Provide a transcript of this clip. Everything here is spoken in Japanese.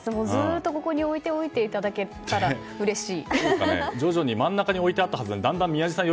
ずっとここに置いておいていただけたらうれしい。